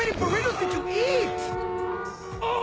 あっ‼